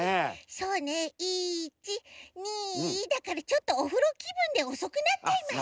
そうね１２だからちょっとおふろきぶんでおそくなっちゃいました。